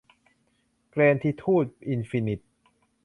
แกรททิทูด อินฟินิท